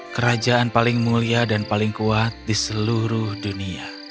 kerajaan paling mulia dan paling kuat di seluruh dunia